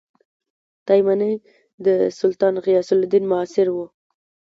تایمنى د سلطان غیاث الدین معاصر وو.